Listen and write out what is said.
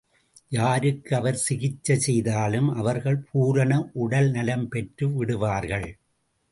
யாருக்கு அவர் சிகிச்சை செய்தாலும் அவர்கள் பூரண உடல் நலம் பெற்று விடுவார்கள்.